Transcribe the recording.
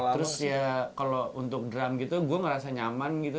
terus ya kalau untuk drum gitu gue ngerasa nyaman gitu